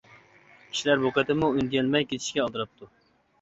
كىشىلەر بۇ قېتىممۇ ئۈندىيەلمەي، كېتىشكە ئالدىراپتۇ.